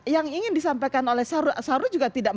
yang ingin disampaikan oleh sahrul sahrul juga